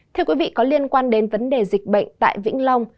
thưa quý vị có liên quan đến vấn đề dịch bệnh tại vĩnh long